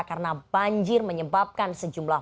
karena banjir menyebabkan sejumlah